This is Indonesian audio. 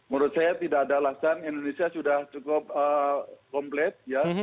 menurut saya tidak ada alasan indonesia sudah cukup komplit ya